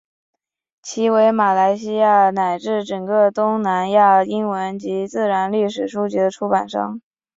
其为马来西亚乃至整个东南亚英文及自然历史书籍的出版商。